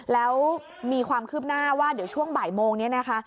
แล้วมีความคืบหน้าว่าเดี๋ยวช่วงบ่ายโมงนี้นะคะ